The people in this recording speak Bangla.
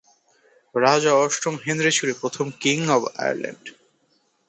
রাজা অষ্টম হেনরী ছিল প্রথম কিং অব আয়ারল্যান্ড।